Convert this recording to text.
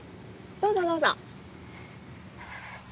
どうぞどうぞ。